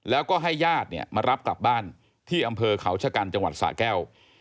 แล้วก็ให้ญาติเนี่ยมารับกลับบ้านที่อำเภอเขาชะกันจังหวัดสะแก้ว